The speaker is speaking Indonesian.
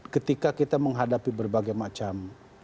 ketika kita menghadapi berbagai macam